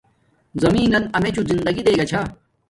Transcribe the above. زمینن امیچوں زندگی دین گا چھا